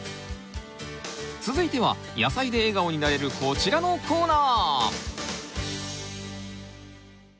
続いては野菜で笑顔になれるこちらのコーナー！